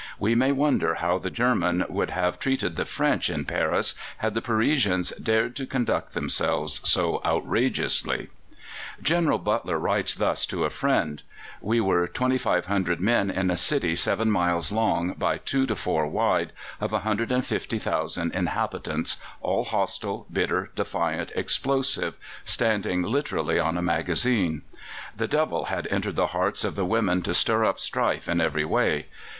We may wonder how the Germans would have treated the French in Paris had the Parisians dared to conduct themselves so outrageously. General Butler writes thus to a friend: "We were 2,500 men in a city seven miles long by two to four wide, of 150,000 inhabitants, all hostile, bitter, defiant, explosive standing literally on a magazine. The devil had entered the hearts of the women to stir up strife in every way.